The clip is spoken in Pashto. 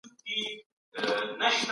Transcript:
د ټولنپوهنې علم ډیر پیچلی دی.